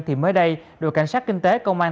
thì mới đây đội cảnh sát kinh tế công an